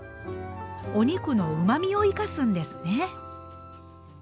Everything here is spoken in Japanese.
お肉のうまみを生かすんですね。